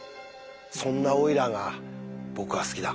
そんなオイラーが僕は好きだ。